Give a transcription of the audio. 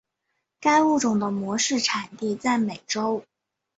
该物种的模式产地在美洲。